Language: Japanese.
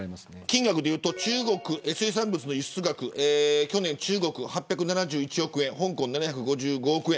金額でいうと水産物の輸出額、中国は去年８７１億円香港７５５億円